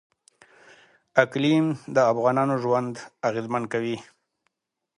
اقلیم د افغانانو ژوند اغېزمن کوي.